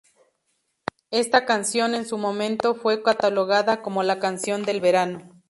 Ésta canción, en su momento, fue catalogada como "la canción del verano".